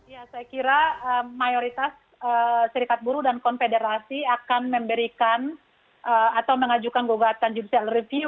ya saya kira mayoritas serikat buru dan konfederasi akan memberikan atau mengajukan gugatan judicial review